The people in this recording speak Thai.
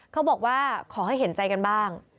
เขาบอกว่าขอให้เห็นใจกันบ้าง